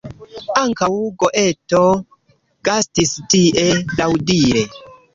Ankaŭ Goeto gastis tie, laŭdire.